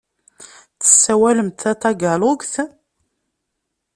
Tessawalemt tatagalogt?